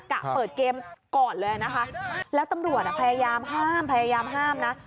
กะเปิดเกมก่อนเลยนะคะแล้วตำรวจอ่ะพยายามห้ามพยายามห้ามนะ